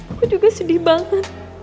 aku juga sedih banget